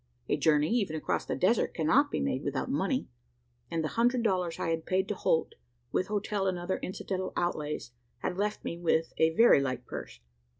A journey, even across the desert, cannot be made without money; and the hundred dollars I had paid to Holt, with hotel and other incidental outlays, had left me with a very light purse.